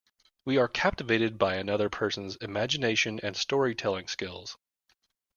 We are captivated by another persons imagination and storytelling skills.